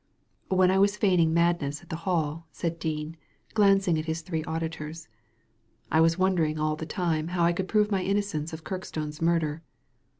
" When I was feigning madness at the Hall," said Dean, glancing at his three auditors, "I was wonder ing all the time how I could prove my innocence of Kirkstone's murder.